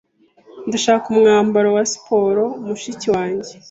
Ndashaka umwambaro wa siporo mushiki wanjye.